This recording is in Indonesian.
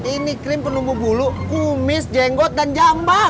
ini krim penumbuh bulu kumis jenggot dan jambang